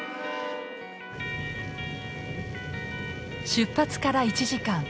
出発から１時間。